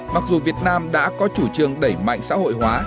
mặc dù việt nam đã có chủ trương đẩy mạnh xã hội hóa